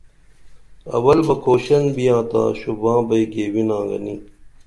اول بہ کُھوشن بیاں تا شُوباں بئی گیونا گنی